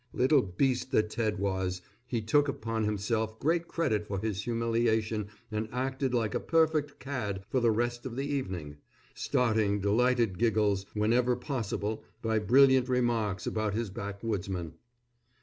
Little beast that Ted was, he took upon himself great credit for his humiliation and acted like a perfect cad for the rest of the evening, starting delighted giggles whenever possible by brilliant remarks about his backwoodsman.